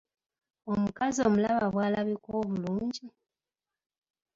Omukazi omulaba bw'alabika obulungi?